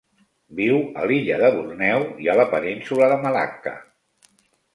Viu a l'illa de Borneo i a la península de Malacca.